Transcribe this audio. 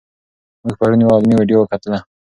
موږ پرون یوه علمي ویډیو وکتله.